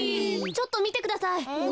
ちょっとみてください。